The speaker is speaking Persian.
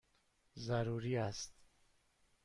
ضروری است!